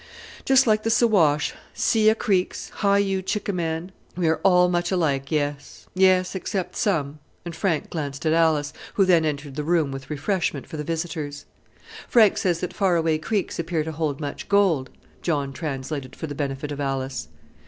"Just like the Siwash, Si Ya Creeks, Hi u Chickaman, we're all much alike, yes yes, except some" and Frank glanced at Alice, who then entered the room with refreshment for the visitors. "Frank says that far away creeks appear to hold much gold," John translated for the benefit of Alice.